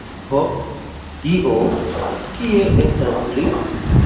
Ho, Dio, kie estas li?